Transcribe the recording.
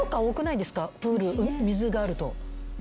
プール水があると。